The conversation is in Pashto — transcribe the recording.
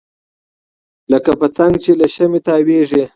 لکه پتنګ چې له شمعې تاویږي.